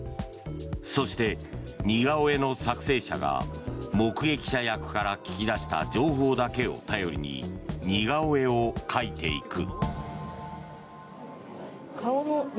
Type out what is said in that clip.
そして、似顔絵の作成者が目撃者役から聞き出した情報だけを頼りに似顔絵を描いていく。